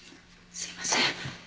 すいません。